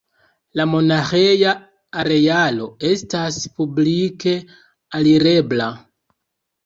La monaĥeja arealo estas publike alirebla.